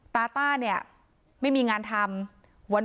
ตาต้าไม่มีงานทำ